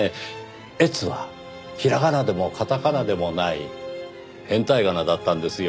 「えつ」は平仮名でも片仮名でもない変体仮名だったんですよ。